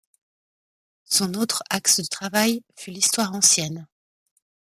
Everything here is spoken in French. Son autre axe de travail fut l'histoire ancienne.